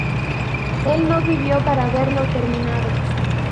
Él no vivió para verlo terminado.